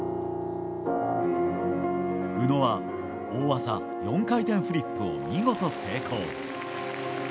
宇野は、大技４回転フリップを見事成功。